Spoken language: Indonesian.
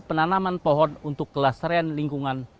penanaman pohon untuk kelestarian lingkungan